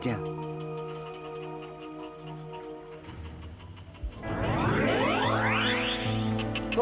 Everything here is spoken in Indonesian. kau tak bisa membunuh aku